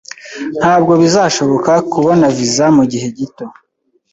Ntabwo bizashoboka kubona visa mugihe gito